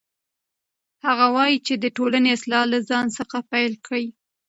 هغه وایي چې د ټولنې اصلاح له ځان څخه پیلیږي.